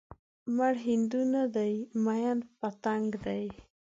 مړ هندو نه دی ميئن پتنګ دی